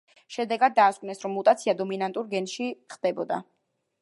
შედეგად დაასკვნეს, რომ მუტაცია დომინანტურ გენში ხდებოდა.